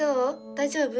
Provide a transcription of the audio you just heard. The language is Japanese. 大丈夫？